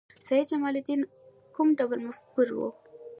سید جمال الدین کوم ډول مفکر و؟